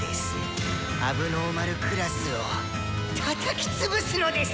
問題児クラスをたたき潰すのです！」。